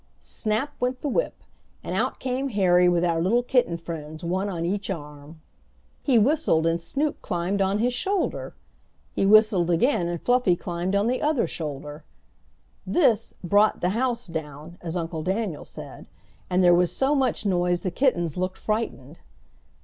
Snap went the whip, and out came Harry with our little kitten friends one on each arm. He whistled, and Snoop climbed on his shoulder! He whistled again, and Fluffy climbed on the other shoulder. This "brought the house down," as Uncle Daniel said, and there was so much noise the kittens looked frightened.